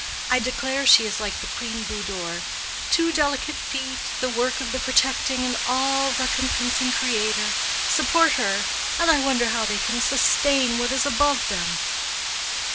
I declare she is like the Queen Budoor—'two delicate feet, the work of the protecting and all recompensing Creator, support her; and I wonder how they can sustain what is above them.